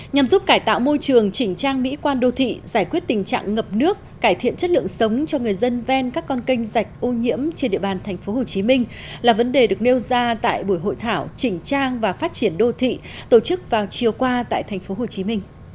nhằm giúp cải tạo môi trường chỉnh trang mỹ quan đô thị giải quyết tình trạng ngập nước cải thiện chất lượng sống cho người dân ven các con kênh dạch ô nhiễm trên địa bàn tp hcm là vấn đề được nêu ra tại buổi hội thảo chỉnh trang và phát triển đô thị tổ chức vào chiều qua tại tp hcm